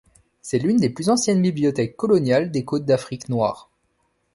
C’est l’une des plus anciennes bibliothèques coloniales des Côtes d’Afrique Noire.